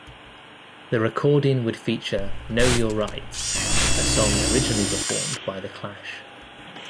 The recording would feature "Know Your Rights", a song originally performed by The Clash.